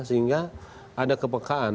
sehingga ada kepekaan